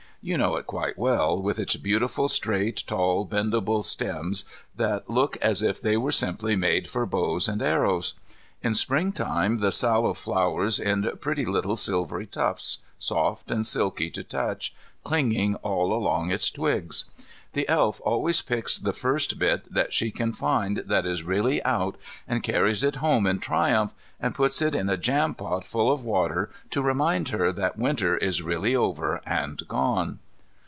You know it quite well, with its beautiful straight, tall, bendable stems that look as if they were simply made for bows and arrows. In Spring time the sallow flowers in pretty little silvery tufts, soft and silky to touch, clinging all along its twigs. The Elf always picks the first bit that she can find that is really out and carries it home in triumph, and puts it in a jampot full of water to remind her that Winter is really over and gone.